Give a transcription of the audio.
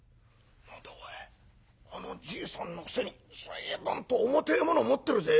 あのじいさんのくせに随分と重てえもの持ってるぜ！